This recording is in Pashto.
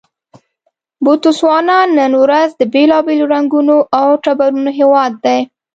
بوتسوانا نن ورځ د بېلابېلو رنګونو او ټبرونو هېواد دی.